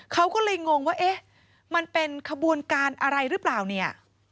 เขาก็เลยงงว่าเอ๊ะมันเป็นขบวนการอะไรหรือเปล่าเนี่ย